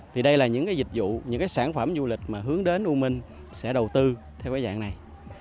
thì đây là những dịch vụ những cái sản phẩm du lịch mà hướng đến u minh sẽ đầu tư theo cái dạng này